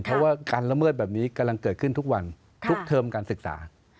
เพราะว่าการละเมิดแบบนี้กำลังเกิดขึ้นทุกวันทุกเทอมการศึกษา